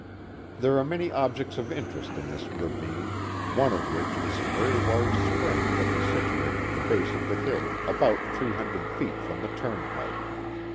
There are many objects of interest in this ravine, one of which is a very large spring that is situated at the base of the hill about three hundred feet from the turnpike.